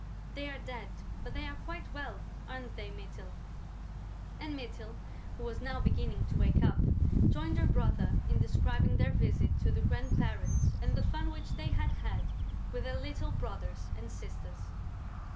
They are dead, but they are quite well, aren't they, Mytyl?" And Mytyl, who was now beginning to wake up, joined her brother in describing their visit to the grandparents and the fun which they had had with their little brothers and sisters.